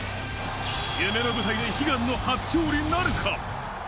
夢の舞台で悲願の初勝利なるか。